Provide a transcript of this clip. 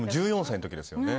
１４歳の時ですよね。